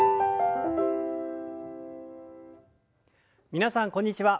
皆さんこんにちは。